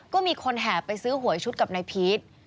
ก็มีคนแห่ไปซื้อหวยชุดกับนายพีช